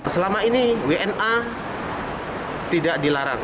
selama ini wna tidak dilarang